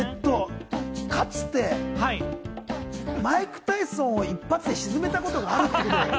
かつてマイク・タイソンを一発で仕留め、沈めたことがあるということ。